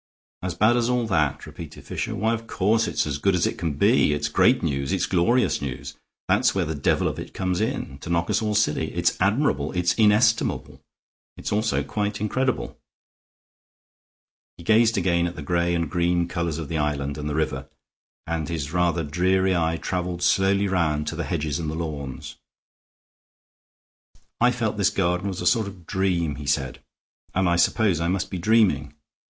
"As bad as all that?" repeated Fisher. "Why of course it's as good as it can be. It's great news. It's glorious news! That's where the devil of it comes in, to knock us all silly. It's admirable. It's inestimable. It is also quite incredible." He gazed again at the gray and green colors of the island and the river, and his rather dreary eye traveled slowly round to the hedges and the lawns. "I felt this garden was a sort of dream," he said, "and I suppose I must be dreaming.